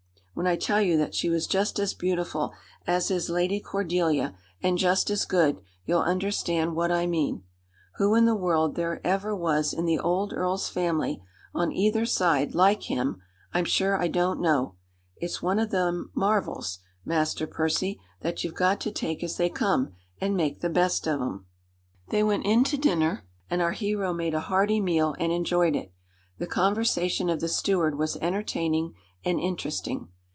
When I tell you that she was just as beautiful as is Lady Cordelia, and just as good, you'll understand what I mean. Who in the world there ever was in the old earl's family, on either side, like him, I'm sure I don't know. It's one o' them marvels, Master Percy, that you've got to take as they come, and make the best of 'em." They went in to dinner; and our hero made a hearty meal and enjoyed it. The conversation of the steward was entertaining and interesting.